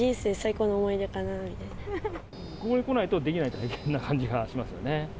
ここに来ないとできない体験な感じがしますよね。